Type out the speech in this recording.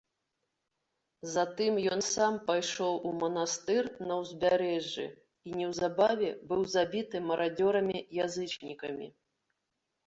Затым ен сам пайшоў у манастыр на ўзбярэжжы і неўзабаве быў забіты марадзёрамі-язычнікамі.